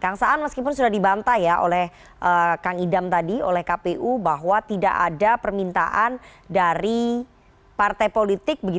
kang saan meskipun sudah dibantah ya oleh kang idam tadi oleh kpu bahwa tidak ada permintaan dari partai politik